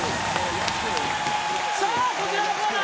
さあこちらのコーナー